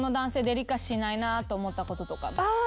デリカシーないなと思ったこととか。